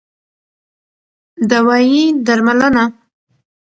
دوايي √ درملنه